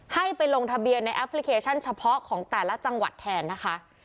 ให้ไปลงทะเบียนในแอปพลิเคชันเฉพาะของแต่ละจังหวัดแทนนะคะ